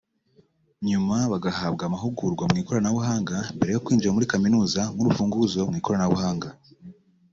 nyuma bagahabwa amahugurwa mu ikoranabuhanga mbere yo kwinjira muri kaminuza nk’urufunguzo mu ikoranabuhanga